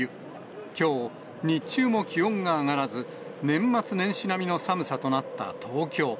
きょう、日中も気温が上がらず、年末年始並みの寒さとなった東京。